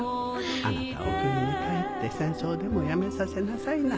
あなたはお国に帰って戦争でもやめさせなさいな。